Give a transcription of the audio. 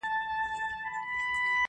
د داود خان په غوصه کېدل